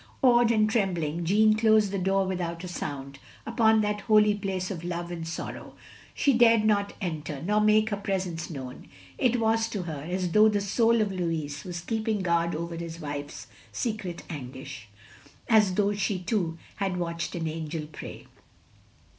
Awed and trembling, Jeanne closed the door without a sound, upon that holy place of love and sorrow. She dared not enter, nor make her presence known. It was, to her, as though the soul of LfOuis were keeping guard over his wife's secret anguish; as though she, too, had "watched an angel pray."